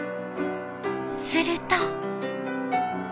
すると。